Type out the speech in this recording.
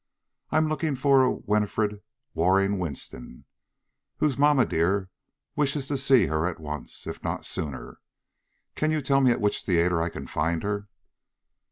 I'm looking for a Winifred Waring Winston, whose mamma dear wishes to see her at once, if not sooner. Can you tell me at which theater I can find her?"